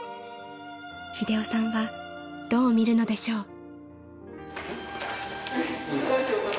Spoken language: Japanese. ［英雄さんはどう見るのでしょう？］